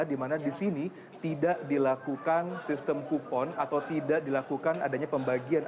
di mana di sini tidak dilakukan sistem kupon atau tidak dilakukan adanya pembagian